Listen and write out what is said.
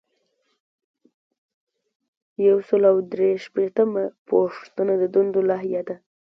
یو سل او درې شپیتمه پوښتنه د دندو لایحه ده.